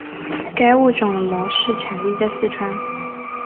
该物种的模式产地在四川。